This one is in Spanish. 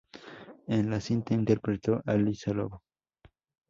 En la cinta interpretó a Lisa Lobo.